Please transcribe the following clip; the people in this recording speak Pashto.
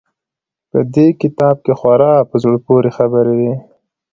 په دې کتاب کښې خورا په زړه پورې خبرې وې.